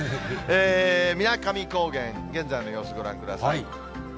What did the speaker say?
水上高原、現在の様子、ご覧ください。